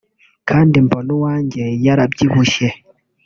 kandi mbona uwanjye yarabyibushye